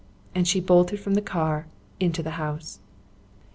And she bolted from the car into the house.